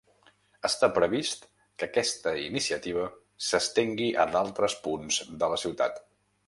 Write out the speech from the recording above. Està previst que aquesta iniciativa s’estengui a d’altres punts de la ciutat.